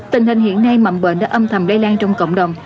tình hình hiện nay mậm bệnh đã âm thầm đay lan trong cộng đồng